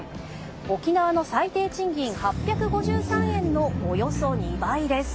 沖縄の最低賃金８５３円のおよそ２倍です。